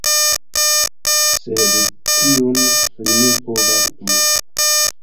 Sed tion li ne povas plu.